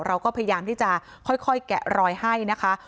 เราก็พยายามที่จะค่อยแกะรอยให้นะคะ